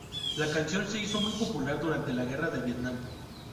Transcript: La canción se hizo muy popular durante la guerra de Vietnam.